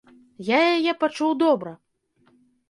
Я яе пачуў добра!